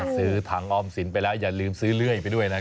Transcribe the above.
ซื้อถังออมสินไปแล้วอย่าลืมซื้อเลื่อยไปด้วยนะ